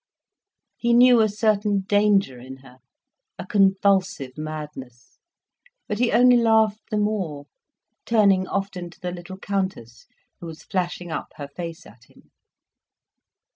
He knew a certain danger in her, a convulsive madness. But he only laughed the more, turning often to the little Countess, who was flashing up her face at him.